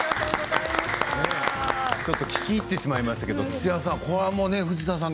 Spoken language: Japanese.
ちょっと聞き入ってしまいましたけど土屋さん、これは藤田さん